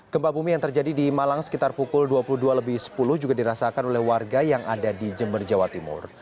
gempa bumi yang terjadi di malang sekitar pukul dua puluh dua lebih sepuluh juga dirasakan oleh warga yang ada di jember jawa timur